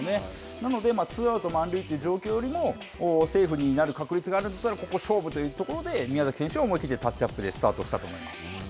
なので、ツーアウト、満塁という状況でもセーフになる確率があるんだったら、ここ勝負というところで宮崎選手は思い切ってタッチアップでスタートしたと思います。